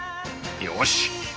よし！